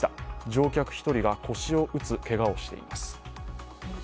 乗客１人が腰を打つけがをしています。